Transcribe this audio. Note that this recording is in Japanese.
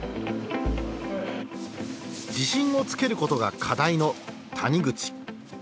自信をつけることが課題の谷口。